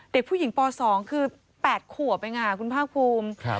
เด็กผู้หญิงป๒คือ๘ขวบเองคุณภาคภูมิ